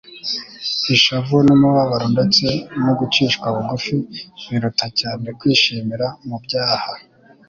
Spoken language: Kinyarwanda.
Ishavu n'umubabaro ndetse no gucishwa bugufi biruta cyane kwishimira mu byaha.